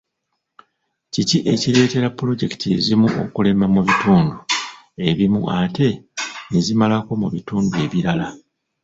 Kiki ekireetera puloojekiti ezimu okulema mu bitundu ebimu ate ne zimalako mu bitundu ebirala?